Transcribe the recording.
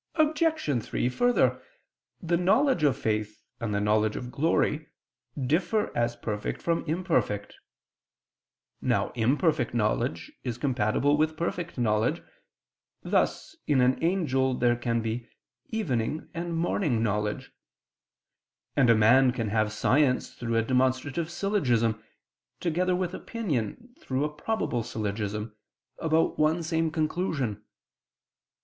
Obj. 3: Further, the knowledge of faith and the knowledge of glory differ as perfect from imperfect. Now imperfect knowledge is compatible with perfect knowledge: thus in an angel there can be "evening" and "morning" knowledge [*Cf. I, Q. 58, A. 6]; and a man can have science through a demonstrative syllogism, together with opinion through a probable syllogism, about one same conclusion.